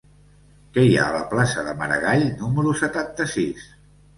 Què hi ha a la plaça de Maragall número setanta-sis?